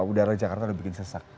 udara jakarta udah bikin sesak